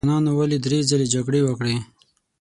افغانانو ولې درې ځلې جګړې وکړې.